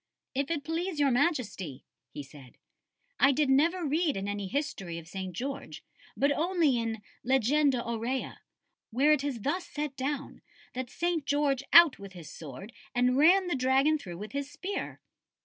"If it please Your Majesty," he said, "I did never read in any history of St. George, but only in Legenda Aurea, where it is thus set down, that St. George out with his sword and ran the dragon through with his spear."